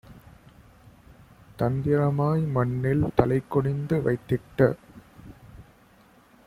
தந்திரமாய் மண்ணில் தலைகுனிந்து வைத்திட்ட